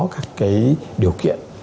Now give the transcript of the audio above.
các cái điều kiện